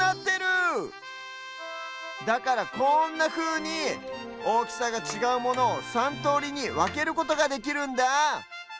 だからこんなふうにおおきさがちがうものを３とおりにわけることができるんだ！